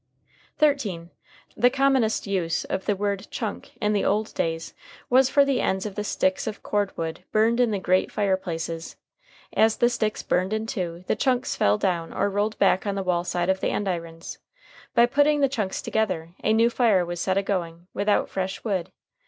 ] [Footnote 13: The commonest use of the word chunk in the old days was for the ends of the sticks of cord wood burned in the great fireplaces. As the sticks burned in two, the chunks fell down or rolled back on the wall side of the andirons. By putting the chunks together, a new fire was set a going without fresh wood.